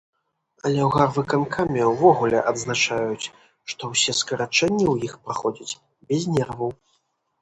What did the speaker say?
Але ў гарвыканкаме ўвогуле адзначаюць, што ўсе скарачэнні ў іх праходзяць без нерваў.